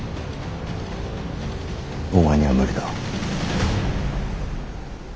お前には無理だ。